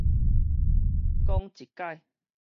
講一改